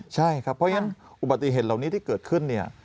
ใช่ครับเพราะฉะนั้นอุบัติเหตุเหล่านี้ที่เกิดขึ้นเนี่ย